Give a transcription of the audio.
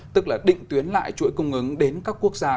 tức là định tuyến lại chuỗi cung ứng đến các quốc gia